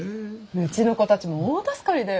うちの子たちも大助かりだよ。